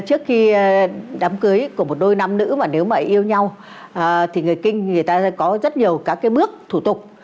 trước khi đám cưới của một đôi nam nữ mà nếu mà yêu nhau thì người kinh người ta sẽ có rất nhiều các cái bước thủ tục